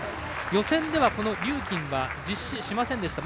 予選ではリューキンは実施しませんでした。